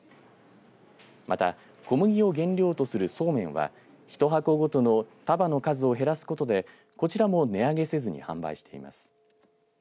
また小麦を原料とするそうめんは１箱ごとの束の数を減らすことでこちらも値上げせずに販売しています。